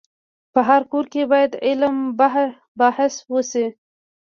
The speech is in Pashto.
په هر کور کي باید علم بحث وسي.